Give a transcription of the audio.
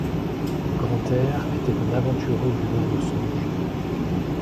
Grantaire était un aventureux buveur de songes.